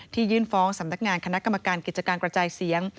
ยื่นฟ้องสำนักงานคณะกรรมการกิจการกระจายเสียง